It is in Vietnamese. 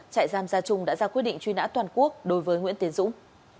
trại giam gia trung đã ra quyết định truy nã toàn quốc đối với nguyễn tiến dũng